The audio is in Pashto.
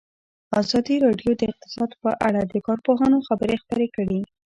ازادي راډیو د اقتصاد په اړه د کارپوهانو خبرې خپرې کړي.